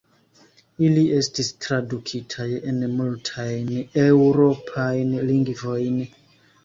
Ili estis tradukitaj en multajn eŭropajn lingvojn.